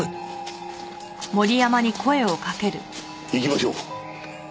行きましょう。